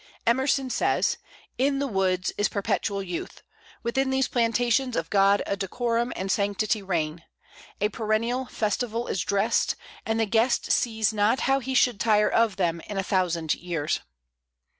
Emerson says: "In the woods is perpetual youth. Within these plantations of God a decorum and sanctity reign, a perennial festival is dressed, and the guest sees not how he should tire of them in a thousand years."